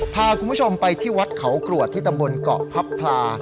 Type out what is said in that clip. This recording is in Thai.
พาคุณผู้ชมไปที่วัดเขากรวดที่ตำบลเกาะพับพลา